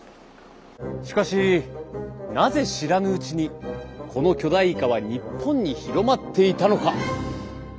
しかしなぜ知らぬうちにこの巨大イカは日本に広まっていたのか。